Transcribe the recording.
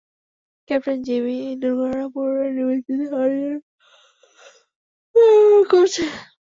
Captain, Jimmy এই দুর্ঘটনা পূণরায় নির্বাচিত হওয়ার জন্য ব্যবহার করছে।